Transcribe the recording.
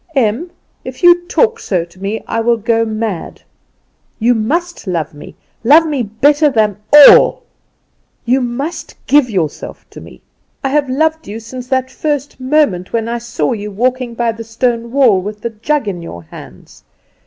"Em, if you talk so to me I will go mad! You must love me, love me better than all! You must give yourself to me. I have loved you since that first moment when I saw you walking by the stone wall with the jug in your hands.